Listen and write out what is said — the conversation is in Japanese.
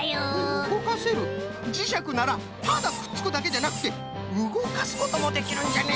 うごかせるじしゃくならただくっつくだけじゃなくてうごかすこともできるんじゃね。